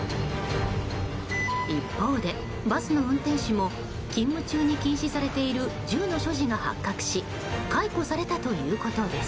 一方で、バスの運転手も勤務中に禁止されている銃の所持が発覚し解雇されたということです。